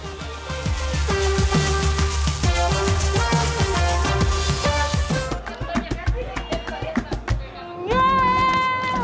wow banyak semua sekali